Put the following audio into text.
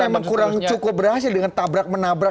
memang kurang cukup berhasil dengan tabrak menabrak